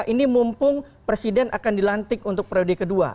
ini mumpung presiden akan dilantik untuk periode kedua